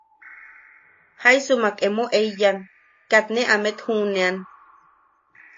Jaisumak emo eiyan, kat ne amet juʼunean...